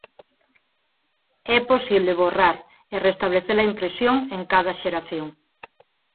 É posible borrar e restablecer a impresión en cada xeración.